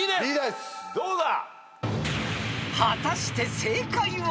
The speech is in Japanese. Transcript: どうだ？